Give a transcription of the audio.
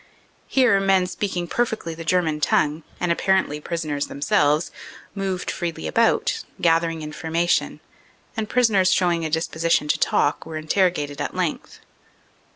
Here men speaking perfectly the German tongue and apparently prisoners themselves, moved freely about, gather ing information, and prisoners showing a disposition to talk were interrogated at length.